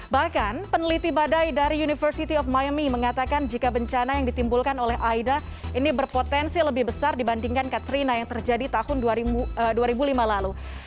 bahkan peneliti badai dari university of miami mengatakan jika bencana yang ditimbulkan oleh aida ini berpotensi lebih besar dibandingkan katrina yang terjadi tahun dua ribu lima lalu